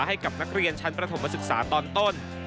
ให้กับนักเรียนชั้นประถมศึกษาตอนต้น